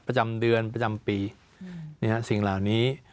ประจำเดือนประจำปีสิ่งเหล่านี้